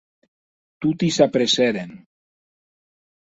Toti s’apressèren.